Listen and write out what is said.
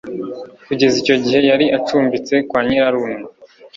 Kugeza icyo gihe yari acumbitse kwa nyirarume